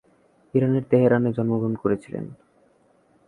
ইরানের তেহরানে জন্মগ্রহণ করেছিলেন।